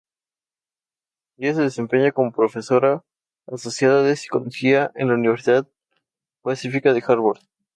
Ella se desempeña como profesora asociada de psicología en la Universidad pacífica de Hawái.